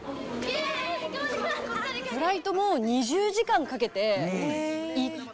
フライトも２０時間かけて行って。